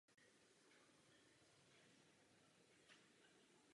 Vyučoval na katedře sanskrtu a srovnávací gramatiky v Berlíně.